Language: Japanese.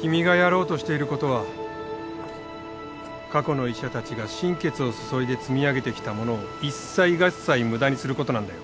君がやろうとしていることは過去の医者たちが心血を注いで積み上げてきたものを一切合切無駄にすることなんだよ。